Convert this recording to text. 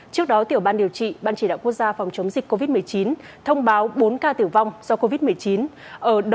trước đó tiểu ban điều trị ban chỉ đạo quốc gia phòng chống dịch covid một mươi chín thông báo bốn ca tử vong do covid một mươi chín